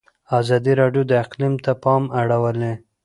ازادي راډیو د اقلیم ته پام اړولی.